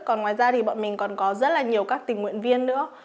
còn ngoài ra thì bọn mình còn có rất là nhiều các tình nguyện viên nữa